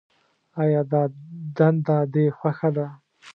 آیا دا دنده دې خوښه ده.